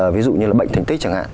ví dụ như là bệnh thành tích chẳng hạn